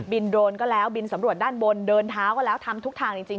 โดรนก็แล้วบินสำรวจด้านบนเดินเท้าก็แล้วทำทุกทางจริง